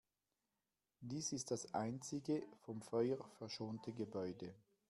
Dies ist das einzige vom Feuer verschonte Gebäude.